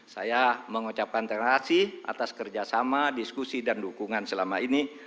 saya mengucapkan terima kasih atas kerjasama diskusi dan dukungan selama ini